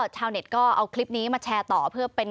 ชาวเน็ตก็เอาคลิปนี้มาแชร์ต่อเพื่อเป็น